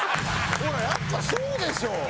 ほらやっぱそうでしょ。